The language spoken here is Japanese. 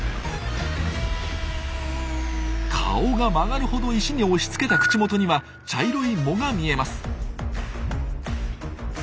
顔が曲がるほど石に押しつけた口元には茶色い藻が見えます。